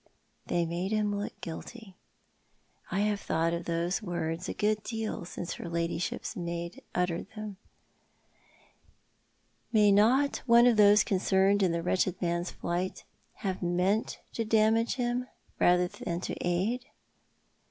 They made him look guilty. I have thought of those words a good deal since her ladyship's maid uttered them. May not one of those concerned in the wretched man's flight have meant to damage him rather than to aid ?